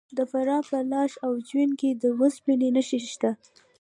د فراه په لاش او جوین کې د وسپنې نښې شته.